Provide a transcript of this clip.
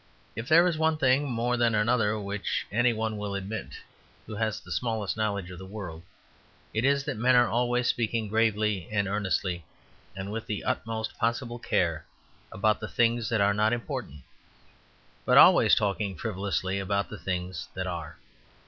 If there is one thing more than another which any one will admit who has the smallest knowledge of the world, it is that men are always speaking gravely and earnestly and with the utmost possible care about the things that are not important, but always talking frivolously about the things that are.